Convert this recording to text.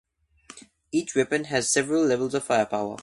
Each weapon has several levels of firepower.